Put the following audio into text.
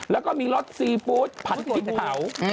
แล้วก็มีรสซีฟู้ดผัดพริกเผา